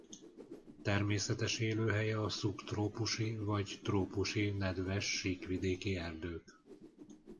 Természetes élőhelye a szubtrópusi vagy trópusi nedves síkvidéki erdők.